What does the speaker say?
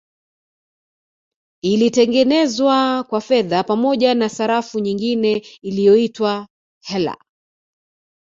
Ilitengenezwa kwa fedha pamoja na sarafu nyingine iliyoitwa Heller